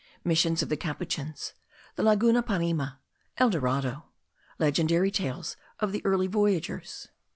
MISSIONS OF THE CAPUCHINS. THE LAGUNA PARIME. EL DORADO. LEGENDARY TALES OF THE EARLY VOYAGERS.